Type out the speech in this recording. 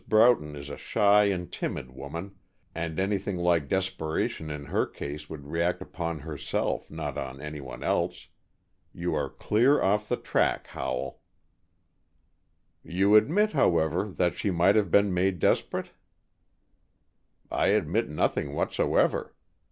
Broughton is a shy and timid woman, and anything like desperation in her case would react upon herself, not on anyone else. You are clear off the track, Howell." "You admit, however, that she might have been made desperate?" "I admit nothing whatsoever.